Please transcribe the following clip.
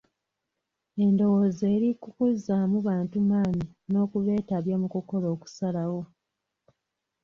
Endowooza eri ku kuzzaamu bantu maanyi n'okubeetabya mu kukola okusalawo.